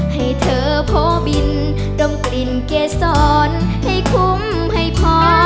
ให้เธอโพบินดมกลิ่นเกษรให้คุ้มให้พอ